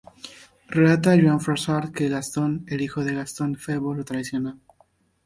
Relata Jean Froissart que Gastón, el hijo de Gastón Febo, lo traicionó.